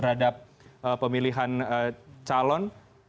terhadap pemilihan calon